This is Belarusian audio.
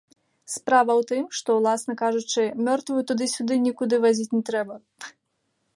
Справа ў тым, што, уласна кажучы, мёртвую туды-сюды нікуды вазіць не трэба.